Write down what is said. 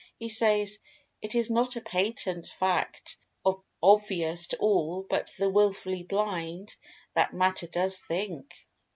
He says: "Is it not a patent fact, obvious to all but the wilfully blind that matter does think?